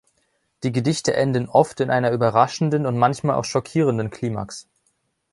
Die Gedichte enden oft in einer überraschenden und manchmal auch schockierenden Klimax.